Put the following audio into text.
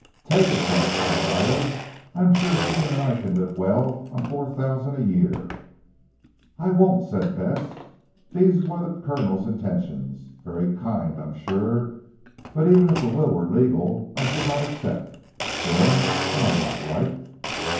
"Take it, Bess," cried Ida, "I am sure Stephen and I can live well on four thousand a year." "I won't," said Bess, "these were the Colonel's intentions very kind I'm sure. But even if the will were legal I should not accept. Jim, am I not right?"